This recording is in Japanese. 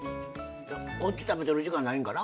こっち食べてる時間ないんかな。